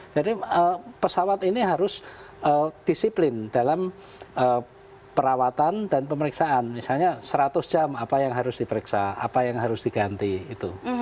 jadi pesawat ini harus disiplin dalam perawatan dan pemeriksaan misalnya seratus jam apa yang harus diperiksa apa yang harus diganti itu